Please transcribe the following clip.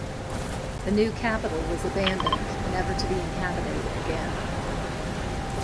The new capital was abandoned, never to be inhabited again.